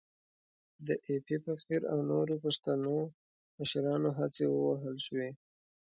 د ایپي فقیر او نورو پښتنو مشرانو هڅې ووهل شوې.